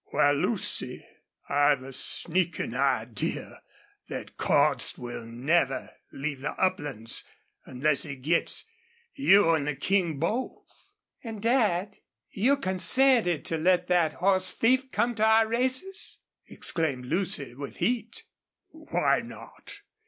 "Wal, Lucy, I've a sneakin' idea thet Cordts will never leave the uplands unless he gets you an' the King both." "And, Dad you consented to let that horse thief come to our races?" exclaimed Lucy, with heat. "Why not?